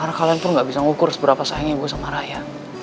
karena kalian tuh gak bisa ngukur seberapa sayangnya gue sama raya